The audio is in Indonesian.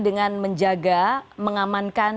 dengan menjaga mengamankan